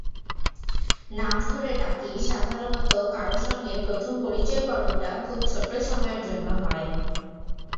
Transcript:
নাম ধরে ডাকিসাধারণত কারও সঙ্গে প্রথম পরিচয় পর্বটা খুব ছোট্ট সময়ের জন্য হয়।